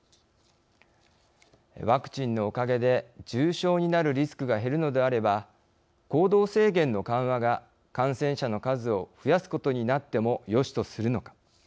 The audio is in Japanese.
ワクチンのおかげで重症になるリスクが減るのであれば行動制限の緩和が感染者の数を増やすことになってもよしとするのか。